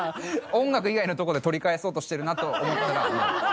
音楽以外のとこで取り返そうとしてるなと思ったら。